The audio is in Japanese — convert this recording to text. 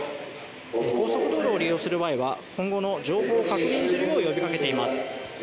高速道路を利用する前には今後も情報を確認するよう呼びかけています。